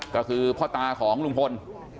ก็คือพ่อตาของลุงพล